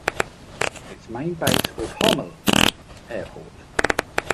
Its main base was Homyel Airport.